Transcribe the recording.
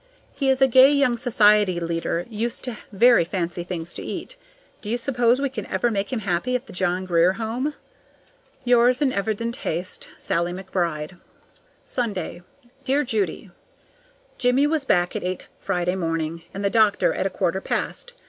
He is a gay young society leader, used to very fancy things to eat. Do you suppose we can ever make him happy at the John Grier Home? Yours in evident haste, SALLIE McBRIDE. Sunday. Dear Judy: Jimmie was back at eight Friday morning, and the doctor at a quarter past.